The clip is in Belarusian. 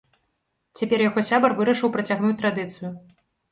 Цяпер яго сябар вырашыў працягнуць традыцыю.